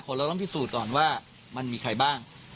เราต้องพิสูจน์ก่อนว่ามันมีใครบ้าง